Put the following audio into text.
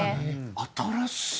新しい。